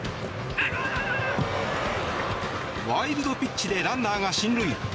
ワイルドピッチでランナーが進塁。